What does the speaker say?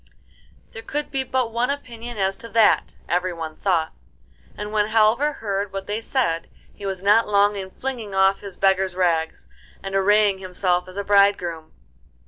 There could be but one opinion as to that, everyone thought, and when Halvor heard what they said he was not long in flinging off his beggar's rags and arraying himself as a bridegroom.